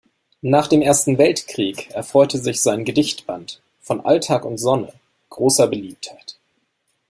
Nach dem Ersten Weltkrieg erfreute sich sein Gedichtband "Von Alltag und Sonne" großer Beliebtheit.